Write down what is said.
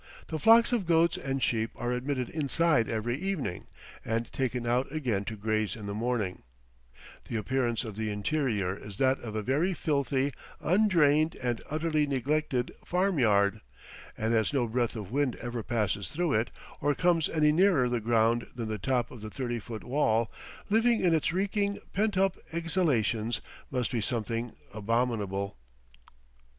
The flocks of goats and sheep are admitted inside every evening, and taken out again to graze in the morning; the appearance of the interior is that of a very filthy, undrained, and utterly neglected farmyard, and as no breath of wind ever passes through it, or comes any nearer the ground than the top of the thirty foot wall, living in its reeking, pent up exhalations must be something abominable.